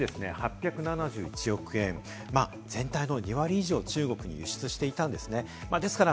そのうち８７１億円、全体の２割以上を中国に輸出していたんです。